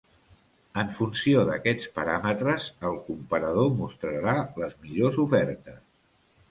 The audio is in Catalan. En funció d'aquests paràmetres, el comparador mostrarà les millors ofertes.